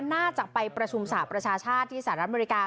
น่าจะไปประชุมสหประชาชาติที่สหรัฐอเมริกา